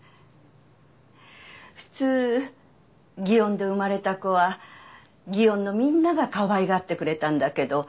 普通祇園で生まれた子は祇園のみんながかわいがってくれたんだけど。